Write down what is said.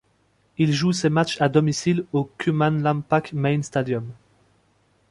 Il joue ses matchs à domicile au Khuman Lampak Main Stadium.